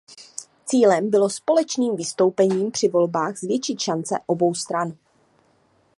Cílem bylo společným vystoupením při volbách zvětšit šance obou stran.